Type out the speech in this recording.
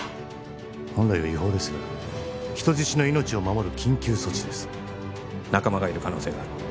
本来は違法ですが人質の命を守る緊急措置です仲間がいる可能性がある